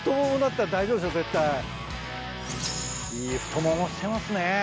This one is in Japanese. いい太ももしてますね。